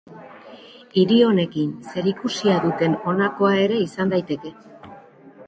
Hiri honekin zerikusia duten honakoa ere izan daiteke.